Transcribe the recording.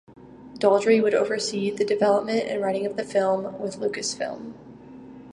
Daldry would oversee the development and writing of the film with Lucasfilm.